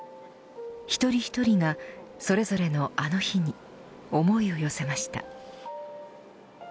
一人一人がそれぞれのあの日に思いを寄せました。